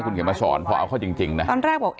คุณเขมรสวรรค์พ่อเอาข้อจริงจริงนะตอนแรกบอก๖๐๐